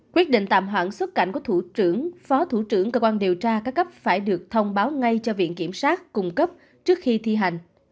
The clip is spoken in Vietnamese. quyết định tạm hoãn xuất cảnh của thủ trưởng phó thủ trưởng cơ quan điều tra các cấp phải được thông báo ngay cho viện kiểm sát cung cấp trước khi thi hành